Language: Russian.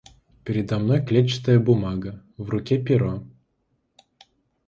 Передо мной клетчатая бумага, в руке перо.